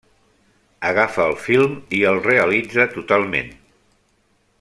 Agafa el film i el realitza totalment.